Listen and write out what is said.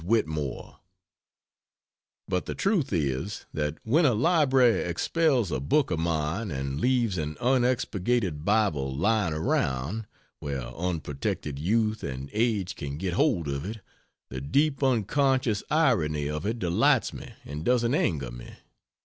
WHITMORE, But the truth is, that when a Library expels a book of mine and leaves an unexpurgated Bible lying around where unprotected youth and age can get hold of it, the deep unconscious irony of it delights me and doesn't anger me.